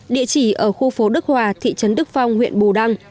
địa chỉ ở khu phố đức hòa thị trấn đức phong huyện bù đăng